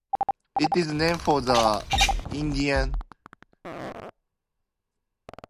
It is named for the Indian poet Valmiki.